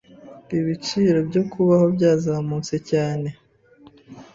Ibiciro byo kubaho byazamutse cyane.